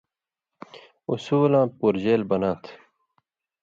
اصولاں پورژیل بناں تھہ